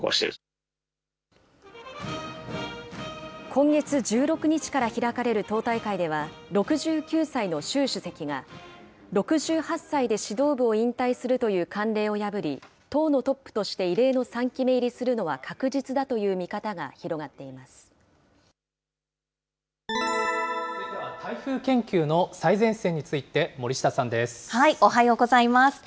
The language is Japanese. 今月１６日から開かれる党大会では、６９歳の習主席が、６８歳で指導部を引退するという慣例を破り、党のトップとして異例の３期目入りするのは確実だという見方が広続いては台風研究の最前線におはようございます。